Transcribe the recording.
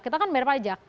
kita kan bayar pajak